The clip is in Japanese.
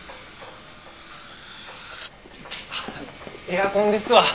エアコンですわ。